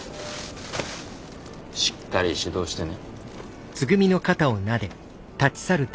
しっかり指導してね。